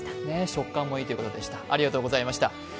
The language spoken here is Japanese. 食感もいいということでした。